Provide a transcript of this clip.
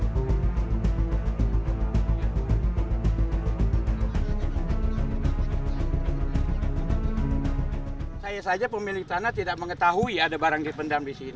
kita tidak tahu ada barang dipendam di sini